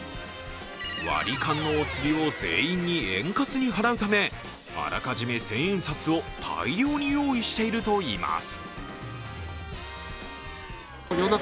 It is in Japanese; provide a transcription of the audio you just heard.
割り勘のお釣りを全員に円滑に払うためあらかじめ千円札を大量に用意しているといいます。